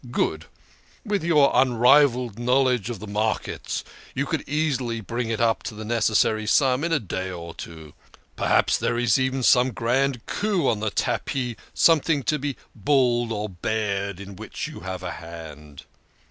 " Good ! With your unrivalled knowledge of the markets, you could easily bring it up to the necessary sum in a day or two. Perhaps even there is some grand coup on the tapis , something to be bulled or beared in which you have a hand."